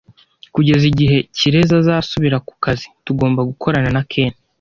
Kugeza igihe Kirezi azasubira ku kazi, tugomba gukora na Ken.